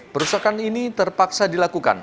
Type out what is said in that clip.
perusakan ini terpaksa dilakukan